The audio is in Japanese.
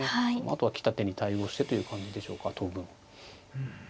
あとは来た手に対応してという感じでしょうか当分。